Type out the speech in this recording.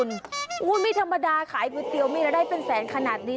ไม่ธรรมดาขายก๋วยเตี๋ยวมีแล้วได้เป็นแสนขนาดนี้